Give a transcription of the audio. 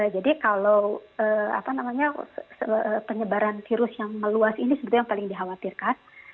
jadi kalau penyebaran virus yang meluas ini sebetulnya yang paling dikhawatirkan